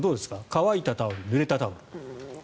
乾いたタオル、ぬれたタオル。